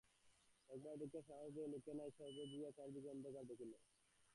একবার দেখিয়া সাহস দেয় এমন লোক নাই, সর্বজয়া চারিদিক অন্ধকার দেখিল।